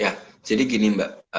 ya jadi gini mbak